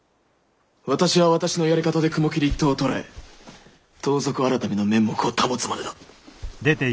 私は私のやり方で雲霧一党を捕らえ盗賊改の面目を保つまでだ。